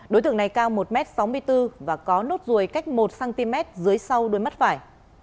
đối tượng này cao một m sáu mươi bốn và có nốt ruồi cách một cm dưới sau đôi mắt phải